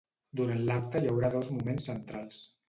Durant l’acte hi haurà dos moments centrals.